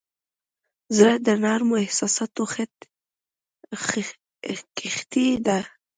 زړه د نرمو احساساتو کښتۍ ده.